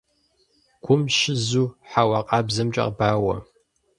Гум щызу хьэуа къабзэмкӀэ бауэ.